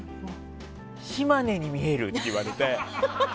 島根に見えるって言われて。